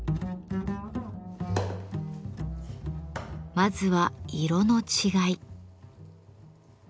まずは色の違い。